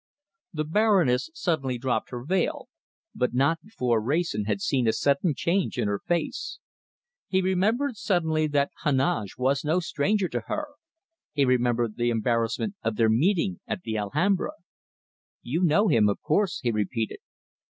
The Baroness suddenly dropped her veil, but not before Wrayson had seen a sudden change in her face. He remembered suddenly that Heneage was no stranger to her, he remembered the embarrassment of their meeting at the Alhambra. "You know him, of course," he repeated.